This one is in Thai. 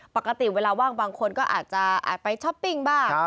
ปกติเวลาว่างบางคนก็อาจจะอาจไปช้อปปิ้งบ้าง